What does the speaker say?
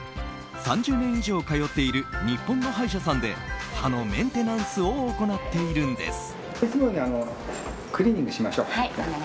３０年以上通っている日本の歯医者さんで歯のメンテナンスを行っているんです。